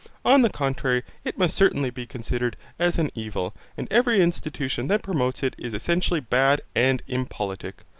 On the contrary, it must certainly be considered as an evil, and every institution that promotes it is essentially bad and impolitic.